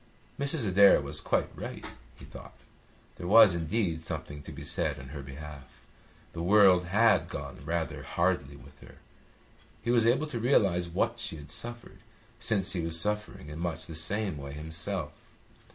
Mrs. Adair was quite right, he thought. There was indeed something to be said on her behalf. The world had gone rather hardly with her. He was able to realise what she had suffered, since he was suffering in much the same way himself.